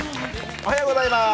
おはようございます。